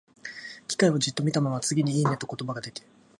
機械をじっと見たまま、次に、「いいね」と言葉が出て、